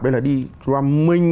đây là đi drumming